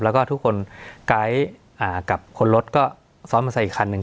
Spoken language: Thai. แล้วก็ทุกคนไกด์กับคนรถก็ซ้อนมอเตอร์ไซค์อีกคันหนึ่ง